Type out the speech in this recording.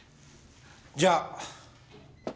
じゃあ。